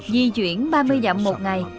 di chuyển ba mươi dặm một ngày